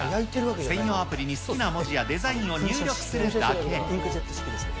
専用アプリに好きな文字やデザインを入力するだけ。